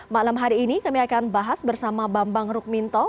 malam hari ini kami akan bahas bersama bambang rukminto